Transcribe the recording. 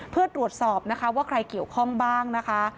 เพื่อตรวจสอบนะคะว่าใครเกี่ยวข้องบ้างนะคะ